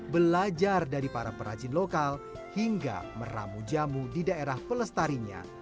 belajar dari para perajin lokal hingga meramu jamu di daerah pelestarinya